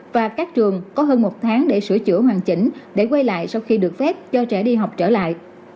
và các trường có hơn một tháng để sửa chữa hoàn chỉnh để quay lại sau khi được phép cho trẻ đi học trở lại